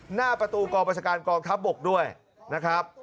หน้าประตูกองประชาการกองทัพบกด้วยนะครับ